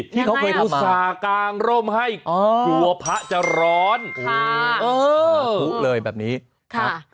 ที่เขาเคยพูดสากางรมให้อ๋อหัวพระจะร้อนค่ะเออคุ้เลยแบบนี้ค่ะ